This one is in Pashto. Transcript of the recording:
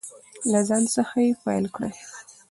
له ځان څخه یې پیل کړئ.